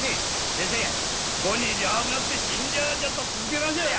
先生五に両国診療所と続けましょうや！